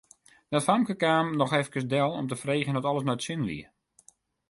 Dat famke kaam noch efkes del om te freegjen oft alles nei't sin wie.